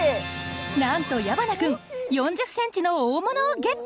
なんと矢花君４０センチの大物をゲット！